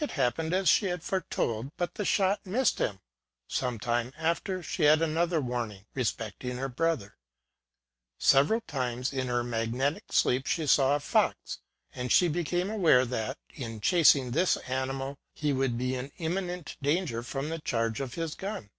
It happened as she had foretold ; but the shot missed him. Some time after she had another warning respecting her brother : several times in her magnetic sleep she saw a fox, and she became aware that, in chasing this animal, he would be in imminent danger from the charge of his gun.